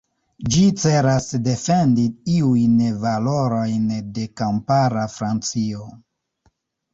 Ĝi celas defendi iujn valorojn de kampara Francio.